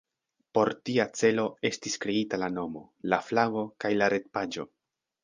Por tia celo estis kreita la nomo, la flago kaj la retpaĝo.